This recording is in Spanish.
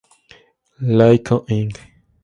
Lay Co., Inc.".